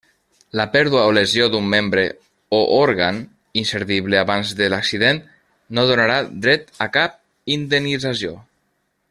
La pèrdua o lesió d'un membre o òrgan inservible abans de l'accident no donarà dret a cap indemnització.